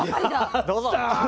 どうぞ。